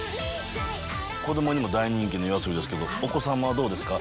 子供にも大人気のＹＯＡＳＯＢＩですけどお子様はどうですか？